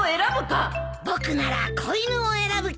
僕なら子犬を選ぶけど。